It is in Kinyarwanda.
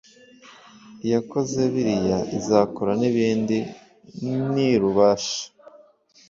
Iyakoze biriya izakora nibindi nirubasha